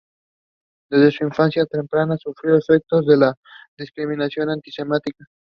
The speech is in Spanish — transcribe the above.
Desde su infancia temprana sufrió los efectos de la discriminación anti-semita.